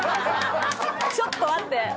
ちょっと待って。